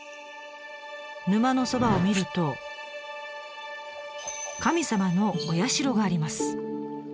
沼のそばを見ると神様のお社があります。